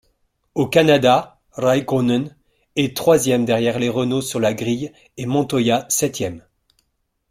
Au Canada, Räikkönen est troisième derrière les Renault sur la grille et Montoya septième.